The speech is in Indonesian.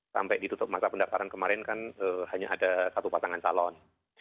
sampai ditutup masa pendaftaran kemarin kan hanya ada satu pasangan calon